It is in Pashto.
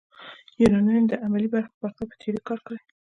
یونانیانو د عملي برخې په پرتله په تیوري کار کړی.